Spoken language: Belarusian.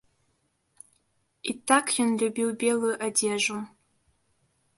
І так ён любіў белую адзежу.